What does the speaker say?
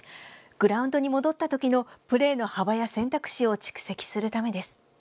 グラウンドに戻った時のプレーの幅や選択肢を蓄積するためです。